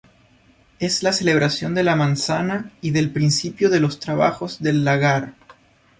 Es la celebración de la manzana y del principio de los trabajos del lagar.